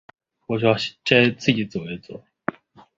北宋明州慈溪人。